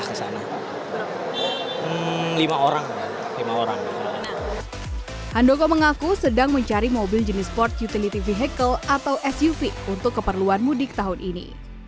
handoko mengaku sedang mencari mobil jenis port utility vehicle atau suv untuk keperluan mudik tahun ini